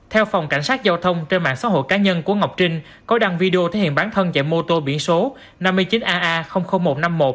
theo phòng cảnh sát giao thông trên mạng xã hội cá nhân của ngọc trinh có đăng video thể hiện bản thân chạy mô tô biển số năm mươi chín aa một trăm năm mươi một